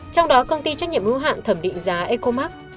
trong đó công ty trách nhiệm hưu hạn thẩm định giá ecomark